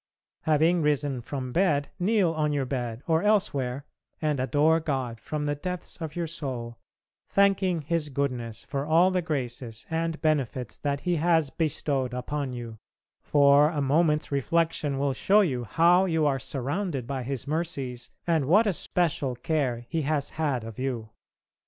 Having risen from bed, kneel on your bed, or elsewhere, and adore God from the depths of your soul, thanking His goodness for all the graces and benefits that He has bestowed upon you, for a moment's reflection will show you how you are surrounded by His mercies and what a special care He has had of you.